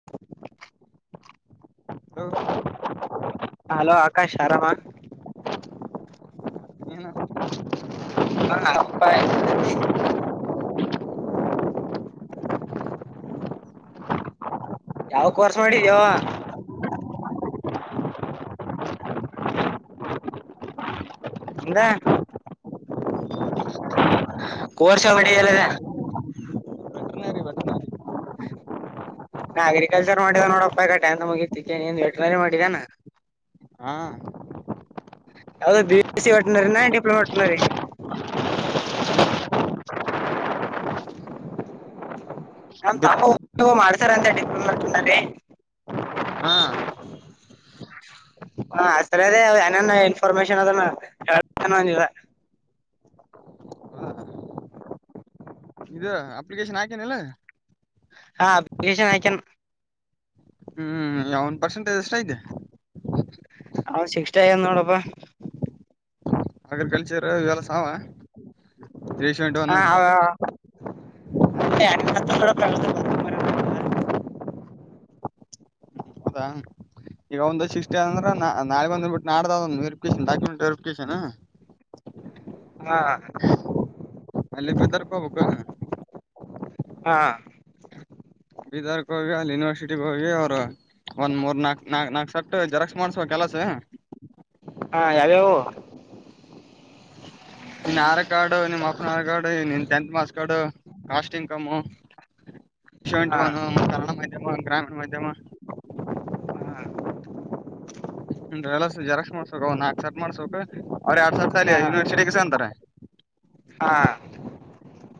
[inaudible] Hello [unintelligible] hello Akash ಆರಾಮ? ಏನು [unintelligible] [unintelligible] ಯಾವ ಕೊರ್ಸ್ ಮಾಡಿದ್ಯೋ ಹಂದ ಕೋರ್ಷ ಹೊಡಲ್ಲದ ವೆಟನರಿ ವೆಟನರಿ ನಾ ಅಗ್ರಿಕಲ್ಚರ್ ಮಾಡಿದ ನೋಡಪ್ಪ ಈಗ ಟೆಂತ್ ಮುಗೀತಿನವ್ ನೀನ್ ವೆಟನರಿ ಮಾಡಿಏನು ಹಾ ಯಾವದ್ ಬಿಸ್ ಸಿ ಹೊಟ್ಟನಾರೀ ನಾ ಡಿಪ್ಲೋಮಾಟ್ಟನ ರೀ. ನಮ್ ಡಿಪ್ ತಾತ ಒಬ್ರು ಮಾಡ್ತಾರಂತ ಡಿಪ್ಲೊಮಟಿನರಿ. ಹಾ [inaudible] ಹ ಸರಿ ಅದೇ ಏನೇನ್ ಇನ್ಫಾರ್ಮೇಶನ್ ಅದನ್ನ ಹಳ್ ತಿನ್ ಅಂದಿದ. ಇದು ಅಪ್ಲಿಕೇಶನ್ ಹಾಕೇನಿಲ್ಲ. ಹಾ ಅಪ್ಲಿಕೇಷನ್ ಆಕಿನ್ - - ಹ್ಮ್ ಅವ್ನ್ ಪರ್ಸೆಂಟೇಜ್ ಎಷ್ಟ್ ಐತೆ. ಹ ಶಿಷ್ಟ ಎನ್ ನೋಡು ಬಾ. ಅಗ್ರಿಕಲ್ಚರ ಇವೆ ಹಾ ಒನ್ ಹ [unintelligible] ಪ್ರಾಣ ಹೌದಾ ಈಗ ಒಂದು ಶಿಷ್ಟ ಅಂದ್ರ ನ ನಾಳಿಗ್ ಬಂದ್ ದಿನ ಬಿಟ್ಟ ನಾಡ್ದ ಆದ ಅಂತ ವೆರಿಫಿಕೇಶನ ಡಾಕ್ಯುಮೆಂಟ್ ವೆರಿಫಿಕೇಶನ್. ಹಾ ಅಲ್ಲಿ ಗೊತರ್ಕೋಬೇಕ. ಹಾ ಬಿದರ್ ಕ ಹೋಗಿ ಅಲ್ಲಿ ಯನಿವರ್ಸಿಟಿಗ ಹೋಗಿ ಅವ್ರ. ಒಂದ್ ಮೂರ್ ನಾಕ್ ನಾಕ್ ನಾಕ್ ಸಟ್ಟು ಜೆರಾಕ್ಸ್ ಮಾಡ್ಸಬೇಕಲಸ. ಹಾ ಯಾವ್ಯಾವು. ನಿನ್ ಆಧಾರ್ ಕಾರ್ಡು ನಿಮ್ಮ ಅಪ್ಪನ ಆಧಾರ್ ಕಾರ್ಡು ನಿನ್ tenth marks card caste income. Seventy ಹಾ ಒನ್ನು ಮತ್ ಕನ್ನಡ ಮಾಧ್ಯಮ ಗ್ರಾಮೀಣ ಮಾಧ್ಯಮ. ಎಲಸು ಜೆರಾಕ್ಸ್ ಮಾಡ್ಸಬೇಕ್ ಅವ್ ನಾಕ್ ಸಟ್ ಮಾಡ್ಸಬೇಕು ಅವ್ರ ಎರಡ್ ಸಟ್ ಅಲ್ಲಿ ಹಾ ಯೂನಿವರ್ಸಿಟಿಗೆ ಇಸ್ಗೋಂತರ. ಹಾ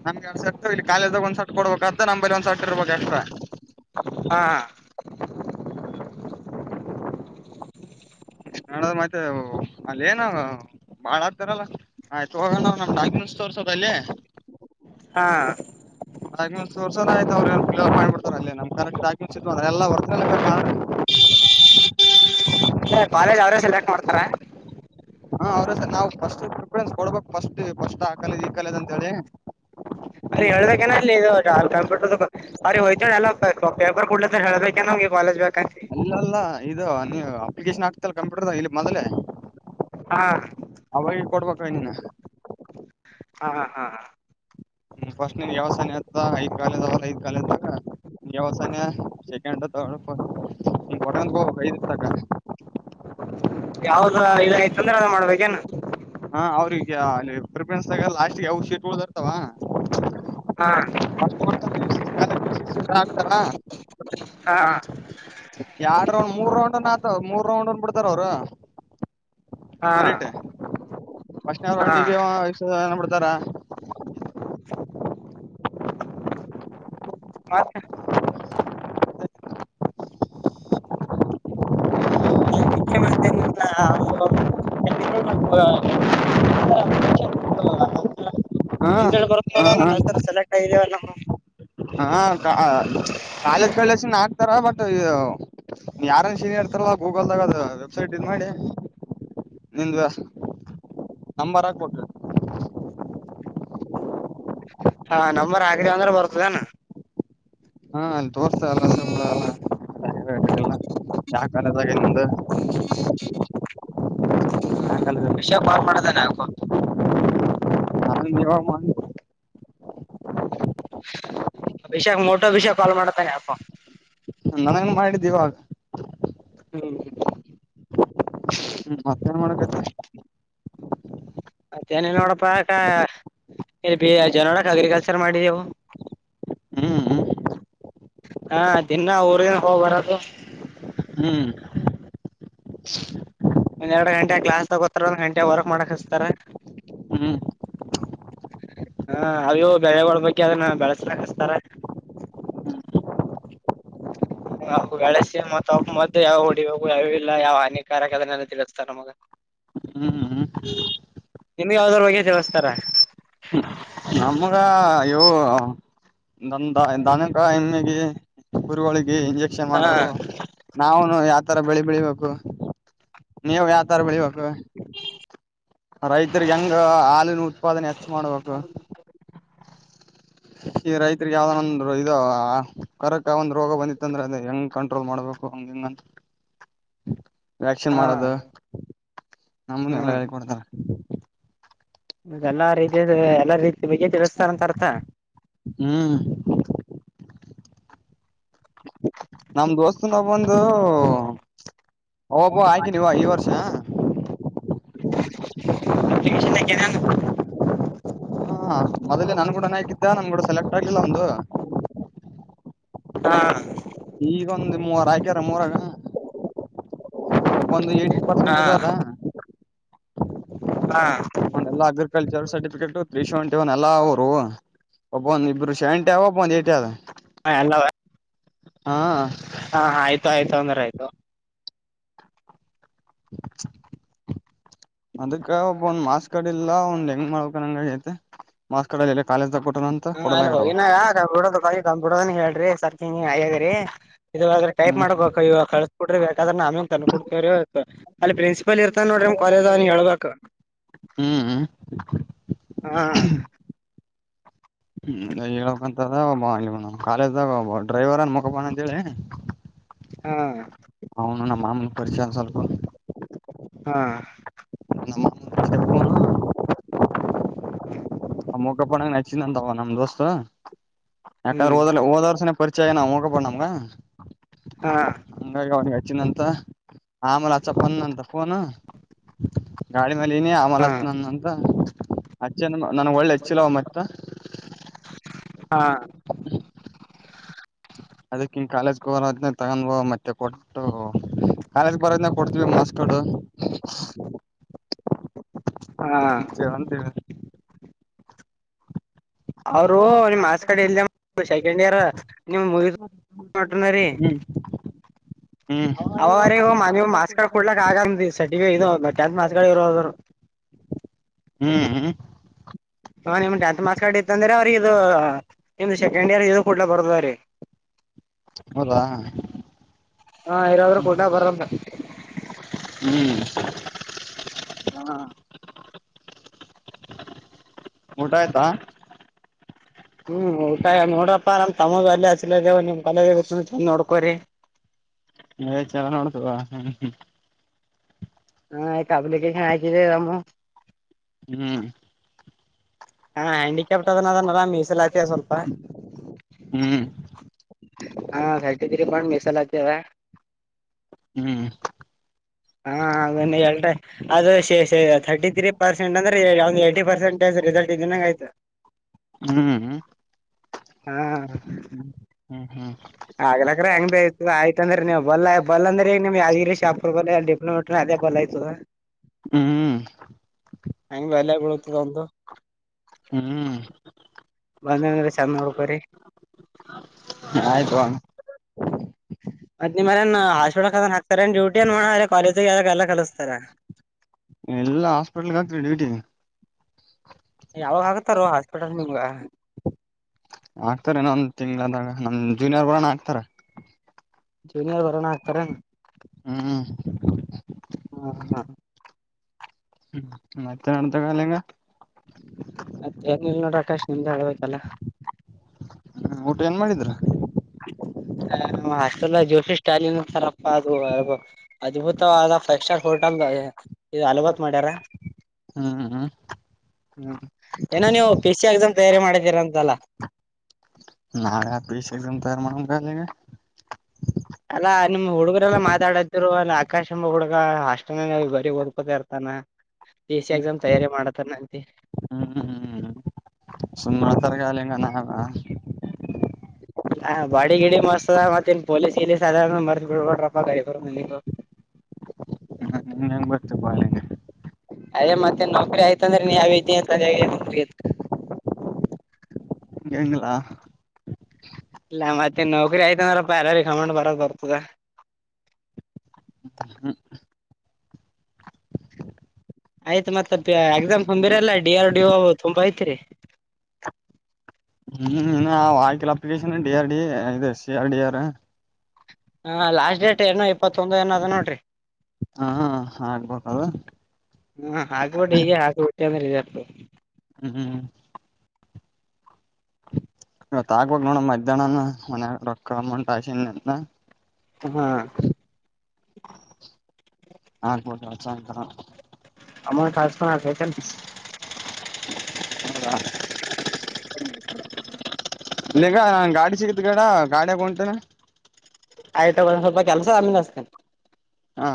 ನಮಗ ಎರಡು ಸಟ್ಟು ಇಲ್ಲಿ ಕಾಲೇಜ್ದಾಗ ಒಂದು ಸೆಟ್ಟು ಕೊಡಬೇಕಾಗ್ತದ ನಂಬಲಿ ಒಂದು ಸೆಟ್ಟು ಇರಬೇಕು ಎಕ್ಸ್ಟ್ರಾ. ಹಾ ಹಾ ನಡದ ಮತ್ತೆ ಅಲ್ ಏನ. ಬಾಳ ಆಗ್ತಾರಲ್ಲ ಆಯ್ತು ಹೋಗೋಣ್ ನಮ್ಮ ಡಾಕ್ಯುಮೆಂಟ್ಸ್ ತೋರ್ಸದ ಅಲ್ಲಿ. ಹಾ ಡಾಕ್ಯುಮೆಂಟ್ ತೋರ್ಸನ ಆಯ್ತು ಅವರು ಕ್ಲಿಯರ್ ಮಾಡಿ ಬಿಡ್ತಾರೆ ಅಲ್ಲೇ ನಮ್ಮ ಕರೆಕ್ಟ್ ಡಾಕ್ಯುಮೆಂಟ್ಸ್ ಇದ್ರೆ ಎಲ್ಲಾ ಒರಿಜಿನಲ್ ಬೇಕ ಆದ್ರೆ. ಕಾಲೇಜ್ ಅವ್ರೇ ಸೆಲೆಕ್ಟ್ ಮಾಡ್ತಾರ. ಹಾ ಅವ್ರ ನಾವು ಫಸ್ಟ್ ಪ್ರಿಫರೆನ್ಸ್ ಕೊಡ್ಬೇಕ್ ಫಸ್ಟ್ ಫಸ್ಟ್ ಆ ಕಾಲೇಜ್ ಈ ಕಾಲೇಜ್ ಅಂತ ಹೇಳಿ. ಅರಿ ಹೇಳ್ದಾಗೆನೆ [unintelligible] ಅ ಹಯ್ತಾರೆ ಎಲ್ಲ ಪೇಪರ್ ಕೊಡ್ಲ ಹೇಳಳ್ಬೇಕನಗೆ ಕಾಲೇಜ್ ಬೇಕಂತ. ಇಲ್ಲಲ್ಲ ಇದು ನೀ ಅಪ್ಲಿಕೇಶನ್ ಆಗ್ತಲ್ಲ ಕಂಪ್ಯೂಟರಾದು ಇಲ್ಲಿ ಮೊದಲೇ. ಹಾ ಅವಾಗೆ ಕೊಡ್ಬೇಕ್ರ ನೀನ. ಹಾ ಹಾ ಹಾ ಹಾ ಹ್ಮ್ ಫಸ್ಟ್ ನಿನಗ್ ಯಾವದ್ ಸನೆ ಆಗ್ತದ ಐದ ಕಾಲೇಜ್ ಆವಲ್ಲ ಐದ್ ಕಾಲೇಜದ್ದಾಗ. ಯಾವದು ಸನೆ ಸೆಕೆಂಡ್ ಥರ್ಡ್ ಫಸ್ಟ್ ಹಿಂಗ ಕೊಟ್ಟಿಯಂತ ಹೋಗ್ಬೇಕು ಐದರ್ ತಕ. ಯಾವ್ದ ಇದ ಆಯ್ತ ತಂದ್ರ ಅ ಮಾಡ್ಬೇಕ ಏನು. ಹಾ ಅವ್ರಿಗೆ ಅಲ್ಲಿ ಪ್ರಿಫರೆನ್ಸ್ ತಗ ಲಾಸ್ಟ್ಗೆ ಯಾವ ಶೀಟ್ಗಳುದರ್ತಾವ. ಹಾ [unintelligible] ಕೊಡ್ತಾಲ ಆಗ್ತಾರಾ [unintelligible] ಹಾ ಎರಡ್ ರೌಂಡ್ ಮೂರ್ ರೌಂಡ್ನ್ ಆತ ಮೂರ್ ರೌಂಡ್ ಅನ್ ಬಿಡ್ತಾರ ಅವ್ರು. ಹಾಂ ಪಷ್ಟನೇ ರೌಂಡಿಗೆ ವ ಏಸ ಬಿಡ್ತಾರ. ಮತ್ತ ನಾ. [unintelligible] [unintelligible] ಹಾ ರಿಸಲ್ಟ ಬರತ್ತ ನೋಡ ಹಾ ನನ್ ಹೆಸರ ಸೆಲೆಕ್ಟ್ ಆಗಿದಿವೊ ನಮ್. ಹಾಂ ಕಾ ಕಾಲೇಜ್ ಕಡೆಲಾಸಿಂದ ಹಾಕ್ತಾರ ಬಟ್. ನೀ ಯಾರನ್ ಶಿರಿಯಾ ಹಾಡ್ತಾರ ಗೂಗಲ್ದಾಗ ಅದ ವೆಬ್ಸೈಟ್ ಇದ ಮಾಡಿ. ನಿಂದ ನಂಬರ್ ಹಾಕ್ಬಕ. ಹಾ ನಂಬರ್ ಹಾಕದ್ಯ ಅಂದ್ರ ಬರ್ತದೇನ. ಹಾ ಅಲ್ಲಿ ತೋರ್ತಲ್ಲಸ ಬಿಳಲ್ಲ [unintelligible] ಯಾ ಕಾಲೇಜ್ ಆಗ ನಿಂದ. ಯಾವ ಕಾಲೇಜ್ ಇಲ್ಲ ವಿಷಾಕ್ ಕಾಲ್ ಅಂತ ಮಾಡಿದಾನೆ ಯಾಕೊ. ನನಗ ನೀವ ಮಾಡ್ರಿ. ವಿಷಾಕ್ ಮೋಟಾ ವಿಷಾಕ್ ಕಾಲ್ ಮಾಡ್ತಾನೆ ಯಾಕೊ. ನನಗನ್ ಮಾಡಿದ್ದ ಇವಾಗ. ಹ್ಮ್ ಹ್ಮ್ ಮತ್ತ ಏನ್ ಮಾಡಕತ್ತಿ. ಮತ್ತೇನ ಇಲ್ ನೋಡಪ್ಪಾಕ್ಕ ಇಲ್ ಬಿ ಎ ಜನರಿಕ್ ಅಗ್ರಿಕಲ್ಚರ್ ಮಾಡಿದೆವು. ಹ್ಮ್ ಹಾ ದಿನ್ನಾ ಊರರಗೆ ಹೋಬರದು. ಹ್ಮ್ ಒಂದ್ ಎರಡು ಗಂಟೆ ಕ್ಲಾಸ್ ತಗೋತಾರ ಒಂದ್ ಗಂಟೆ ವರ್ಕ್ ಮಾಡಕ್ ಹಸ್ತಾರ. ಹ್ಮ್ ಹಾ ಅವು ಇವು ಬೆಳೆಗೊಳ ಬಗ್ಗೆ ಅದನ್ನ ಬೆಳಸ್ರಾಕಸ್ತಾರ. ಅವು ಬೆಳೆಸಿ ಮತ್ ಅವುಕ ಮದ್ದು ಯಾವ್ಯಾವು ಹೊಡಿಬೇಕು ಯಾವ್ಯಾವ್ ಇಲ್ಲ ಯಾವ್ ಹಾನಿಕಾರಕ ಅದನ್ನೆ ತಿಳಿಸ್ತಾರ ನಮಗ. ಹ್ಮ್ ಹ್ಮ್ ನಿಮಗ್ ಯಾವ್ದರ್ ಬಗ್ಗೆ ತಿಳಸ್ತಾರ. ಹ್ಮ್ ನಮ್ಗ ಅಯೋ ದನ್ ದನ ದನಕ ಎಮ್ಮಿಗಿ. ಗುರುವಳಿಗೆ ಇಂಜೆಕ್ಷನ್ ಹಾ ಮಾಡವು. ನಾವುನು ಯಾವ್ತರ ಬೆಳಿ ಬೆಳಿಬೇಕು ನೀವ ಯಾವ್ತರ ಬೆಳಿಬೇಕು. ರೈತರಿಗ್ ಹೆಂಗ ಹಾಲಿನ ಉತ್ಪಾದನೆ ಹೆಚ್ಚ ಮಾಡ್ಬೇಕು. ಈ ರೈತರಿಗೆ ಯಾವ್ದೊಂದನ ಇದು ಕರಕ್ ಒಂದ್ ರೋಗ ಬಂದಿತ್ತ್ ಅಂದ್ರೆ ಅದ ಹೆಂಗ್ ಕಂಟ್ರೋಲ್ ಮಾಡ್ಬೇಕು. ಹಿಂಗಿಂಗಂತ ವ್ಯಾಕ್ಕ್ಷಿನ್ ಹಾ ಮಾಡೋದು ನಮ್ಗುನು ಎಲ್ಲಾ ಹ್ಮ್ ಹೇಳಿ ಕೊಡ್ತಾರ. ಎಲ್ಲಾ ರೀತಿದ ಎಲ್ಲಾ ರೀತಿ ಬಗ್ಗೆ ತಿಳಿಸ್ತಾರಂತ ಅರ್ಥ. ಹ್ಮ್ ಹ ನಮ್ ದೋಸ್ತಂದ ಒಬ್ಬವಂದು ಅವೊಬ್ಬವ ಹಾಕಿದಿವ ಈ ವರ್ಷ. [unintelligible] ಎಕ್ಷಿತಾಕಿನೆನ್. ಹಾಂ ಮೊದಲೆ ನನ್ ಗೂಡೆನ ಹಾಕಿದ್ದ ನನ್ ಕೂಡ ಸೆಲೆಕ್ಟ್ ಆಗಿಲ್ಲ ಅವುಂದು. ಹಾಂ ಈಗೊಂದ್ ಮೂವರ ಹಾಕ್ಯಾರ ನಮೂರಾಗ. ಒಬ್ಬೊಂದು ಏಟ್ಟಿ ಹಾ ಪರ್ಸೆಂಟೇಜ್ ಅದಾ. ಹಾಂ ಎಲ್ಲ ಅಗ್ರಿಕಲ್ಚರ್ ಸರ್ಟಿಫಿಕೇಟ್ ತ್ರೀಸೆವೆಂಟಿ ಒನ್ ಎಲ್ಲಾ ಆವ್ರುವು. ಒಬ್ಬವಂದ್ ಇಬ್ರು ಸೆವೆಂಟಿ ಆವ ಇಬ್ಬರು ಏಟ್ಟಿ ಆದ. ಹಾಂ ಎಲ್ಲವ. ಹಾ. ಹಾ ಆಯ್ತ ಆಯ್ತು ಅಂದ್ರ ಆಯ್ತು. [inaudible] ಅದಕ್ಕೆ ಒಬ್ಬ ಒಂದ ಮಾರ್ಕ್ಸ್ ಕಾರ್ಡ್ ಇಲ್ಲ ಒಂದ್ ಹೆಂಗ್ ಮಾಡ್ಕಂಗ ಐತೆ ಮಾರ್ಕ್ಸ್ ಕಾರ್ಡ್ ಇಲ್ಲೆ ಕಾಲೇಜ್. ಹ ಅ ಹೋಗಿನಡ ಕಬಿಡೋದ ಹೇಳ್ರಿ ಸರ್ಕಂಗ ಅಯ್ಯಗ್ರಿ. ಇದ್ರೆ ಟೈಪ್ ಹ್ಮ್ ಮಾಡಕ್ಬೇಕು ಇವಾಗ ಕಳ್ಸ ಕೊಡ್ರಿ ಬೇಕಾದ್ರ ನಮೇ ತಂದ ಕೊಡ್ತವರಿ ಅಲ್ಲಿ ಪ್ರಿನ್ಸಿಪಲ್ ಇರ್ತಾನ ನೋಡ್ರಿ ಕಾಲೇಜ್ ಅವನ ಹಳ್ಬೇಕಕ್. ಹ್ಮ್ ಹ್ಮ್ ಹಾ. ಹ್ಮ ಹೇಳಕ್ಂತ ಕಾಲೇಜ್ದಾಗಬ ಡ್ರೈವರ್ನ್ ಮುಖಬೋಣ ಅಂತ ಹೇಳಿ. ಹಾ. ಅವನು ನಮ್ಮ ಮಾಮೂಲಿ ಪರಿಚಾರ ಸ್ವಲ್ಪ. ಹಾ. ನಮ್ಮ ಮಾ ಆ ಮುಖಪಣ ನಚ್ಚಿದ ಅಂತವ ನಮ್ ದೋಸ್ತ. ಯಾಕಂದ್ರೆ ಹ್ಮ್ ಓದ ಓದ ವರುಷನ ಪರಿಚಯ ನಾವ ಹೋಗಬ ನಮ್ಗ. ಹಾ ಹಂಗ ಅವನಿಗೆ ಹಚ್ಚಿನಂತ ಆಮಲೆ ಅಚ್ಚಪ್ಪ ಅಂದನ ಅಂತ ಫೋನು. ಗಾಡಿ ಮೇಲೆನಿ ಆಮೇಲೆ ಹಾ ಆಚ್ತೀನಿ ಅಂದನಂತ ಅಚ್ಚ ನ ಒಳ್ಳೆಚ್ಚಿಲವ ಮತ್ತೆ. ಹಾ. ಅದಕ್ಕಿಂಗ ಕಾಲೇಜ್ಗೆ ಹರ ಅದ ತಗೊಂಡ ಮತ್ತೆ ಕೊಡ್ಬಟ್ಟು. ಕಾಲೆಜ ಬರೋದ್ನ ಕೊಡ್ತೀವಿ ಮಾರ್ಕ್ಸ್ ಕಾರ್ಡ್. ಹಾ. ಅಂತ ಹೇಳಿದ್ ಅವರು ನಿಮ್ ಮಾರ್ಕ್ಸ್ ಕಾರ್ಡ್ ಇಲ್ದ ಸೆಕೆಂಡ್ ಇಯರ್ ನಿಮ್ ಮೂ [unintelligible] ಹ್ಮ. ಏ ಆಗಲ್ಲ ರಿ ಇದು ಟೆಂತ್ ಮಾರ್ಕ್ಸ್ ಕಾರ್ಡ್ ಇರೋದು. ಹ್ಮ್ ಹ್ಮ್. ಹ ನಿಮ್ ಟೆಂತ್ ಮಾರ್ಕ್ಸ್ ಕಾರ್ಡ್ ಇತ್ತಂದ್ರೆ ಅವ್ರಿ ಇದು ನಿಮ್ದ ಸೆಂಡ್ ಇಯರ್ ಇದು ಕ ಕುಲ ಬರ್ದವ್ರೀ. ಹೌದಾ. ಹಾ ಇರೋದ್ರ ಕೂಡ್ಲೆ ಬರಲ್ಲ ಹ್ಮ್. ಹಾ. ಊಟ ಆಯ್ತ. ಹ್ಮ್ ಊಟಾಯ ನೋಡಪ್ಪಾ ನಮ್ ತಮ್ಮಗ ಅಲ್ಲ ಅಸಿಲ್ಲ ನಿಮ್ ಕಾಲೇಜ್ ಚಂದ ನೋಡ್ಕೋರಿ. ಏ ಚೊಲೋ ನೋಡತುವ ಹ್ಮ. ಹಾ ಅಪ್ಲಿಕೇಶನ್ ಹಾಕಿದೆ ರಮ್ಮು. ಹ್ಮ್. ಹಾ ಹ್ಯಾಂಡಿಕ್ಯಾಪ್ಟ ಅದನ ಅದನ ಮೀಸಲಾತಿಯ ಸ್ವಲ್ಪ. ಹ್ಮ್ ಹಾ ಥರ್ಟಿ ಥ್ರೀ ಪಾ ಮೀಸಲಾತಿ ಆದ. ಹ್ಮ್. ಹ ಹೇಳ ಅದು ಶೇಷ ಥರ್ಟಿ ತ್ರೀ ಪರ್ಸೆಂಟ್ ಅಂದ್ರೆ ಒಂದ್ ಅವನಿಗೆ ಎಂಬತ್ತು ಪರ್ಸೆಂಟೀಜ್ ರಿಸಲ್ಟ್ ಇದ್ದಿನಂಗ ಆಯ್ತು. ಹ್ಮ್. ಹ್ಮ್. ಹ್ಮ ಹ್ಮ್ ಅದತ್ರ ಅಳ. ಬಲ್ ಬಲ್ ಅಂದ್ರೆ ಈಗ ನಿಮ್ ಯಾದಾಗಿರಿ ಶಾಪುರ್ ಬಲ್ ಡಿಪ್ಲೋಮಟ್ರ ಅದೇ ಬಲ್ ಆಯತದ. ಹೆಂಗ್ ಬೆಲೆಯ ಬೀಳತ್ತ ಒಂದು. ಹ್ಮ್ ಬಂದಂದ್ರೆ ಚೆಂದ ನೋಡ್ಕೋರಿ. ಆಯ್ತುವಾ. [inaudible] ಮತ್ತ ನಿಮಮ್ಮರನ್ ಹಾಸ್ಪಿಟಲ್ ಕ ಹಾಕ್ತಾರೆನ್ ಡ್ಯೂಟಿ ಏನ್ ಕಾಲೇಜಿಗೆ ಎಲ್ಲ ಕಲಸ್ತಾರೆ. ಎಲ್ಲ ಹಾಸ್ಪಿಟಲ್ಗೆ ಹಾಕತ್ರಿ ಡ್ಯೂಟಿ. ಯಾವಾಗ ಹಾಕ್ತಾರೋ ಹಾಸ್ಪಿಟಲಗೆ ನಿಂಗ. ನಮ್ ನಮ್ ಜೂನಿಯರ್ ಭರಣ ಹಾಕ್ತಾರ. ಜೂನಿಯರ್ ಬರಣಕ್ಕ ಹ ಹ್ಮ್ ಹಾಕ್ತಾರ ಹ್ಹ್. ಹ್ಮ್. ಮತ್ತೆ ಏನಲ್ ನೋಡ ಆಕಾಶ್ ನಿಮ್ದು ಹೇಳ್ಬೇಕಲ್ಲ. ಹ್ಮ ಊಟ ಏನ್ ಮಾಡಿದ್ರ. ಹಾಸ್ಟಲಲ್ಲಿ ಜೋಸಿ ಸ್ಟಾಲಿನ್ ಸರಪ್ಪ ಅದು. ಅದ್ಭುತವಾದ ಫೈವ್ ಸ್ಟಾರ್ ಹೋಟೆಲ್ ಇದು ಹಲಬಾತ್ ಮಾಡ್ಯಾರ. ಹ್ಮ್ ಹ್ಮ್ ಹ್ಮ್ ಏನೋ ನೀವು ಪಿ ಸಿ ಎಕ್ಸಾಮ್ ತಯಾರಿ ಮಾಡಿದ್ದೀರ ಅಂತಲ್ಲ. ನಾವು ಯಾವ ಪೀ ಸಿ ತಯಾರಿ ಮಾಡ ಅಕಾಡೆಗೆ. ಅಲ್ಲಾ ನಿಮ್ ಹುಡುಗರೆಲ್ಲಾ ಮಾತಾಡದ್ರು ಅಲ್ಲಿ ಆಕಾಶ ಎಂಬ ಹುಡುಗ ಹಾಸ್ಟೆಲನಲ್ಲಿ ಬರ ಓದ್ಕೊತ ಇರ್ತಾನ. ಪೀ ಸಿ ಎಕ್ಸಾಮ್ ತಯಾರಿ ಮಾಡತಾರ ನಂತ. ಸುಮ್ಮ ಹೇಳ್ತಾರಾ ಹಂಗೆ ಹವಾ ಹಾ ಬಾಡಿ ಗಿಡಿ ಮಸ್ತ್ ಆದ ಮತ್ತ ಇನ್ ಪೊಲೀಸ್ ಗಿಲೀಸ್ ಅದ ಮರ್ತು ಬಿಡು ಬ್ಯಾಡ್ರಪ್ಪ [unintelligible] ಹ್ಮ ನಿಂಗೆ ಹೆಂಗ್ ಮರೆತಿವೆ [unintelligible] ಅದೇ ಮತ್ತೆ ನೌಕರಿ ಆಯತ ಅಂದ್ರೆ ನೀ ಯಾವ ಇದ್ದಿ [unintelligible] ಎಂಗ್ ಲಾ. ಇಲ್ಲ ಮತ್ತೆ ನೌಕರಿ ಆಯ್ತು ಅಂದ್ರ ಪಾಲ ಗಮಾಂಡ ಬರೋದು ಬರ್ತದ ಹ್ಮ್ ಆಯ್ತ್ ಮತ್ತ ಎಕ್ಸಾಮ್ ತುಂಬಿರಲ್ಲ ಡಿ ಆರ್ ಡಿ ಒ ತುಂಬಾ ಐತ್ತಿರಿ. ಹ್ಮ್ ಇನ್ನ ಅವು ಹಾಕಿಲ್ಲ application D R D E C R D R. ಹಾ ಲಾಸ್ಟ್ ಡೇಟ್ ಏನೋ ಇಪ್ಪತ್ತೊಂದು ಏನೋ ಆದ ನೋಡ್ರಿ. ಹಾ ಆಗ್ಬೇಕದು. ಹಾ ಹಾಕ್ಬಿಟ್ಟು [unintelligible] ಹ್ಮ್ ಹ್ಮ. ಇವತ್ ಹಾಕ್ಬೇಕು ನೋಡ ಮಧ್ಯಾಹ್ನ ಮನ ರೊಕ್ಕ ಅಮೌಂಟ್ [unintelligible] ಹಾ ಹಾಕ್ಬೇಕು [unintelligible] ಅಮೌಂಟ್ [unintelligible] ಹೌದ [inaudible] ಇಗ ಗಾಡಿ ಸಿಗತ್ ಕಣ ಗಾಡಿಯಗ ಒಂಟಿನ್. ಆಯ್ತ ತಗೊಂದ್ ಸ್ವಲ್ಪ ಕೆಲಸ ಆಮೇಲೆ ಆಸ್ತಿನಿ. ಹಾ